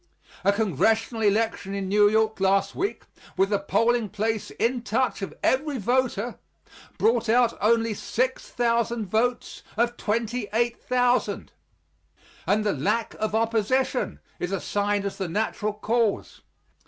A congressional election in New York last week, with the polling place in touch of every voter, brought out only 6,000 votes of 28,000 and the lack of opposition is assigned as the natural cause.